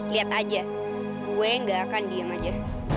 lihat aja gue gak akan diam aja